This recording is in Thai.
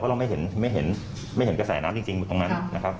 เพราะเราไม่เห็นกระแสน้ำจริงตรงนั้น